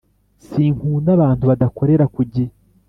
Sinkunda abantu badakorera kugihe